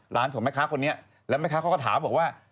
ร้านของแม่ค้าคนนี้แล้วแม่ค้าเขาก็ถามบอกว่า